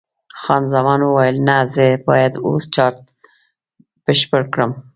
خان زمان وویل: نه، زه باید اوس چارټ بشپړ کړم.